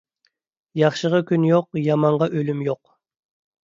ياخشىغا كۈن يوق، يامانغا ئۈلۈم يوق.